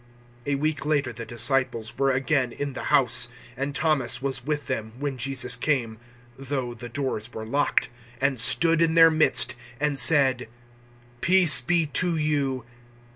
020:026 A week later the disciples were again in the house, and Thomas was with them, when Jesus came though the doors were locked and stood in their midst, and said, "Peace be to you."